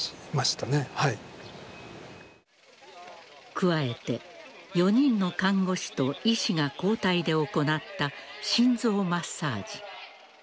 加えて、４人の看護師と医師が交代で行った心臓マッサージ。